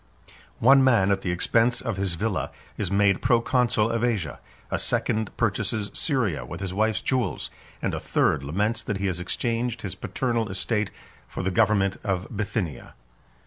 One man, at the expense of his villa, is made proconsul of Asia; a second purchases Syria with his wife's jewels; and a third laments that he has exchanged his paternal estate for the government of Bithynia.